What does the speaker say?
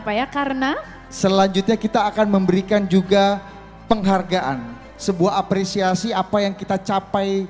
pak ya karena selanjutnya kita akan memberikan juga penghargaan sebuah apresiasi apa yang kita capai